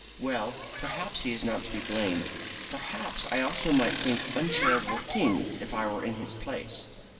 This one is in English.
Well, perhaps he is not to be blamed. Perhaps I also might think uncharitable things if I were In his place.